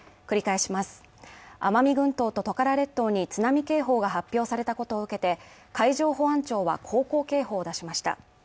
繰り返します、奄美群島トカラ列島に津波警報が発表されたことを受けて海上保安庁は航行警報を出しました。